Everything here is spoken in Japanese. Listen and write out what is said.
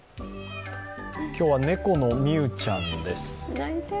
今日は猫のミュウちゃんです。